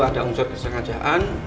entah itu ada unsur kesengajaan